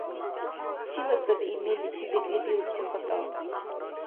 Чила саби ил мерличиб бекӏлибиубси хатӏа?